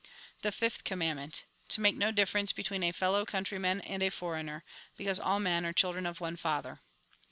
The Fifth Commandment. To make no difference between a fellow countryman and a foreigner ; because all men are children of one father.